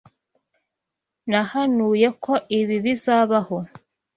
Nahanuye ko ibi bizabaho.